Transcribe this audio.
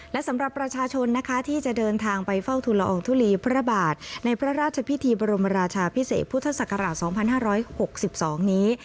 และสำหรับประชาชนนะคะที่จะเดินทางไปเฝ้าทุลอองทุลีพระบาทในพระราชพิธีบรมราชาพิเศษพุทธศักราช๒๕๖๒นี้